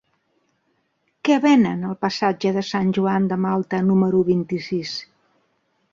Què venen al passatge de Sant Joan de Malta número vint-i-sis?